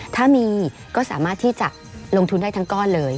ถ้ามีก็สามารถที่จะลงทุนได้ทั้งก้อนเลย